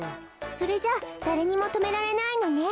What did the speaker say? それじゃあだれにもとめられないのね。